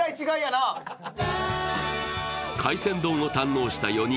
海鮮丼を堪能した４人。